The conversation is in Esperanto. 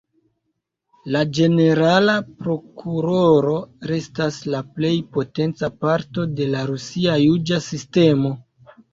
La ĝenerala prokuroro restas la plej potenca parto de la rusia juĝa sistemo.